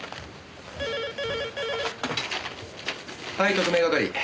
はい特命係。